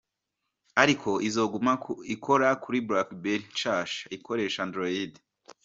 Ariko izoguma ikora kuri Blackberry nshasha ikoresha Android.